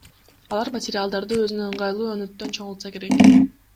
Алар материалдарды өзүнө ыңгайлуу өңүттөн чогултса керек.